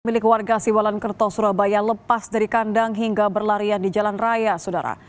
milik warga siwalan kerto surabaya lepas dari kandang hingga berlarian di jalan raya sudara